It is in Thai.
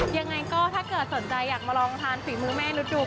ยังไงก็ถ้าเกิดสนใจอยากมาลองทานฝีมือแม่นุษย์ดู